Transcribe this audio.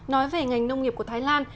nói về ngành nông nghiệp của thái lan